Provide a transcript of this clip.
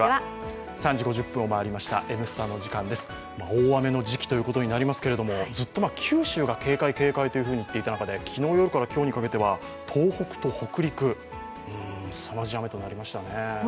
大雨の時期ということになりますけれども、ずっと九州が警戒、警戒と言っていた中で昨日夜から今日にかけては東北と北陸、すさまじい雨となりましたね。